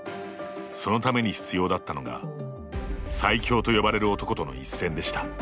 そのために必要だったのが最強と呼ばれる男との一戦でした。